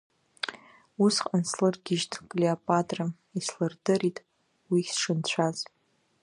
Усҟан слыргьежьт Клеопатра, ислырдырит уи сшынцәаз.